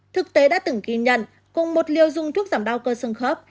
thực tế đã từng ghi nhận cùng một liều dùng thuốc giảm đau cơ sương khớp